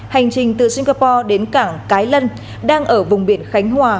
hành trình từ singapore đến cảng cái lân đang ở vùng biển khánh hòa